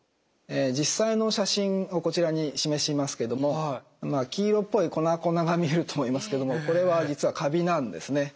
実際の写真をこちらに示しますけども黄色っぽい粉々が見えると思いますけどこれは実はカビなんですね。